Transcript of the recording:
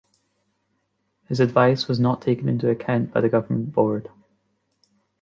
His advice was not taken into account by the Government Board.